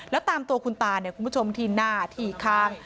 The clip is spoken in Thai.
แล้วตามตัวคุณตาเนี่ยคุณผู้ชมที่หน้าที่ข้าง